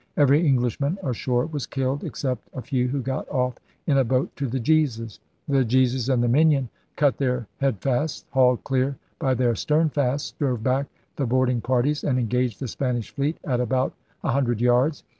Every Englishman ashore was killed, except a few who got off in a boat to the Jesus, The Jesus and the Minion cut their headfasts, hauled clear by their sternfasts, drove back the boarding parties, and engaged the Spanish fleet at about a hundred yards.